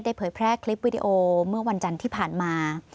เผยแพร่คลิปวิดีโอเมื่อวันจันทร์ที่ผ่านมา